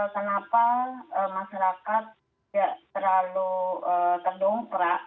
kenapa masyarakat tidak terlalu terdongkrak